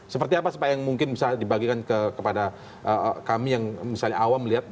seperti apa yang mungkin bisa dibagikan kepada kami yang misalnya awam melihat